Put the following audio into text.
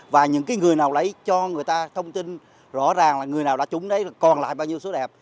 và những người nào lại cho người ta thông tin rõ ràng là người nào đã trúng đấy còn lại bao nhiêu số đẹp